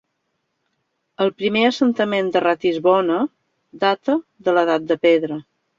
El primer assentament de Ratisbona data de l'Edat de Pedra.